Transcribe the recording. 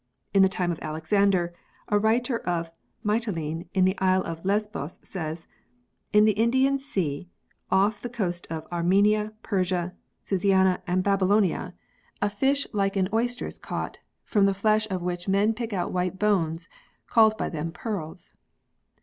In the time of Alexander, a writer of Mytilene in the island of Lesbos, says "In the Indian sea, off the coasts of Armenia, Persia, Susiana and Babylonia, i] THE HISTORY OF PEARLS 9 a fish like an oyster is caught, from the flesh of which men pick out white bones, called by them ' pearls.'